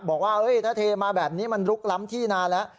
บอกว่าถ้าเทมาแบบนี้มันลุกล้ำที่นานแล้ว